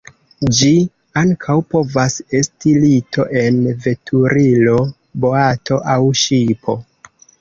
Ĝi ankaŭ povas esti lito en veturilo, boato aŭ ŝipo.